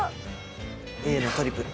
Ａのトリプル。